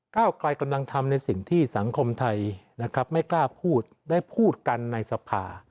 ก้าวไกลกำลังทำในสิ่งที่สังคมไทยนะครับไม่กล้าพูดได้พูดกันในสภา